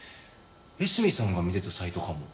江角さんが見てたサイトかも。